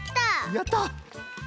やった！